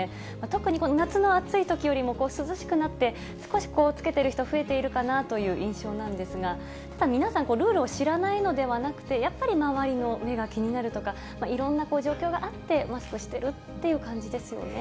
特に夏の暑いときよりも涼しくなって、少し、着けている人、増えているかなという印象なんですが、皆さん、ルールを知らないのではなくて、やっぱり周りの目が気になるとか、いろんな状況があって、マスクをしてるという感じですよね。